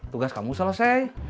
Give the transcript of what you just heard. tugas kamu selesai